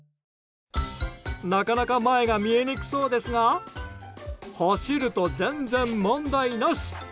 なかなか前が見えにくそうですが走ると、全然問題なし。